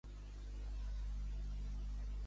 Vaig sentir una curiosa sensació de terror.